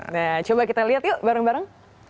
nah coba kita lihat yuk bareng bareng